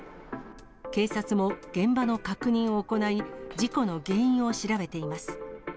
警察も現場の確認を行い、事故の原因を調べています。